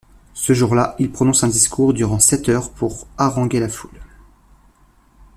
Ce jour-là, il prononce un discours durant sept heures pour haranguer la foule.